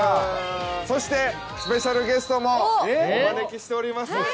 そしてスペシャルゲストもお招きしております。